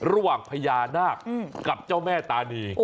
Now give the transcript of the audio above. ระหว่างพญานาคกับเจ้าแม่ตานี